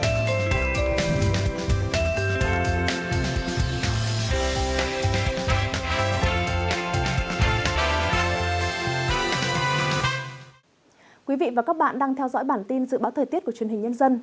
thưa quý vị và các bạn đang theo dõi bản tin dự báo thời tiết của truyền hình nhân dân